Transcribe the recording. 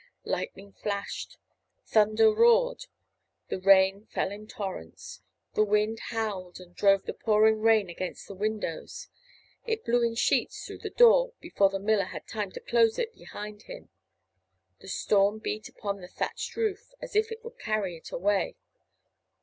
Lightning flashed. Thunder roared. The rain fell in torrents. The wind howled and drove the pouring rain against the windows. It blew in sheets through the door before the miller had time to close it behind him. The storm beat upon the thatched roof as if it would carry it away.